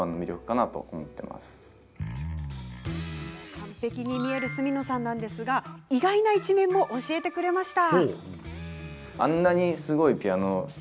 完璧に見える角野さんですが意外な一面も教えてくれました。